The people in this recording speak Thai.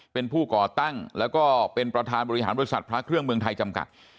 เป็นผู้ก่อตั้งแล้วก็เป็นประธานบริหารบริษัทพระเครื่องเมืองไทยจำกัด